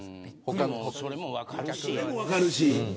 それも、分かるし。